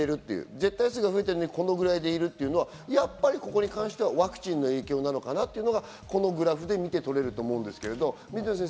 絶対数が増えているのに、これぐらいでいるのはやっぱりここに関してはワクチンの影響かなというのがこのグラフで見て取れると思うんですが水野先生